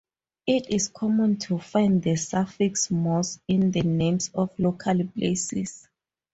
It is common to find the suffix "Moss" in the names of local places.